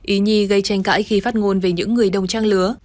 ý nhi gây tranh cãi khi phát ngôn về những người đồng trang lứa